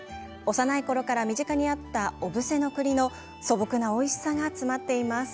幼いころから身近にあった小布施の栗の素朴なおいしさが詰まっています。